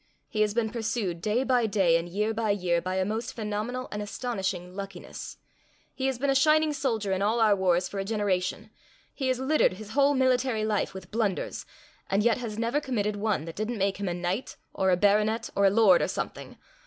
He has been pursued, day by day and year by year, by a most phenomenal and astonishing luckiness. He has been a shining soldier in all our wars for a generation; he has littered his whole military life with blunders, and yet has never committed one that didn't make him a knight or a baronet or a lord or something.